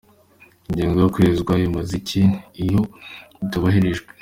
Ingingo yo kwezwa imaze iki iyo itubahirijwe?".